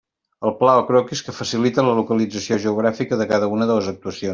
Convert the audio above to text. El pla o croquis, que facilite la localització geogràfica de cada una de les actuacions.